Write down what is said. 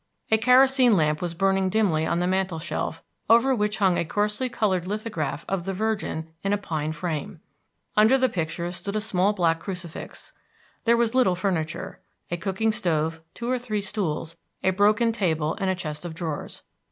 A kerosene lamp was burning dimly on the mantel shelf, over which hung a coarsely colored lithograph of the Virgin in a pine frame. Under the picture stood a small black crucifix. There was little furniture, a cooking stove, two or three stools, a broken table, and a chest of drawers.